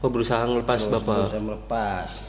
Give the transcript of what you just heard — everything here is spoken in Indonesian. berusaha melepas bapak